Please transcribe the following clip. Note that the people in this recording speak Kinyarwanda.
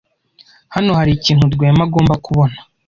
Hano hari ikintu Rwema agomba kubona.